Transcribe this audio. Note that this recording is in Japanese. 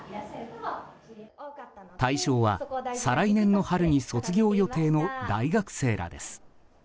対象は、再来年の春に卒業予定の大学生らです。